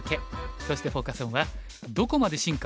そしてフォーカス・オンは「どこまで進化？